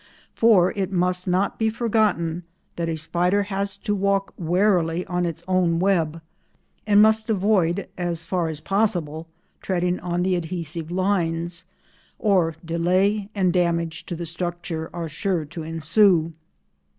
For it must not be forgotten that a spider has to walk warily on its own web, and must avoid, as far as possible, treading on the adhesive lines, or delay and damage to the structure are sure to ensue.